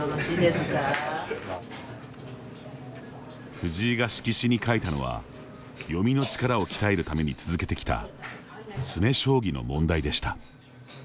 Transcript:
藤井が色紙に書いたのは読みの力を鍛えるために続けてきた詰め将棋の問題でした。